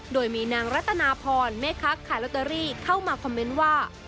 โดยมีนางรัตนาพรแม่ค้าขายลอตเตอรี่เข้ามาคอมเมนต์ว่า